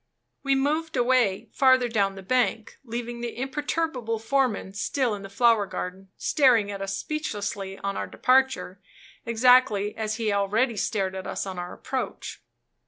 We moved away, further down the bank, leaving the imperturbable foreman still in the flower garden, staring at us speechlessly on our departure, exactly as he had already stared at us on our approach.